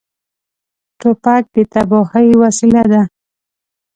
توپک د تباهۍ وسیله ده.